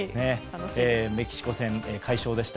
メキシコ戦、快勝でした。